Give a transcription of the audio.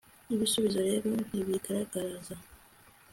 ibisubizo rero ntibigaragaza